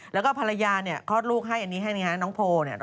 แล้วก็ภรรยานี่คลอดลูกให้อันนี้ให้นี่ฮะน้องโผล่